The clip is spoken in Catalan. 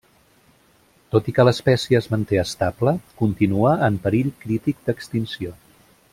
Tot i que l'espècie es manté estable, continua en perill crític d'extinció.